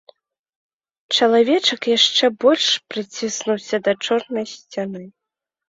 Чалавечак яшчэ больш прыціснуўся да чорнай сцяны.